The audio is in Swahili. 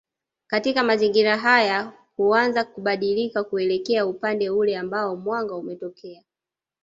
Katika mazingira haya huanza kubadili kuelekea upande ule ambao mwanga umetokea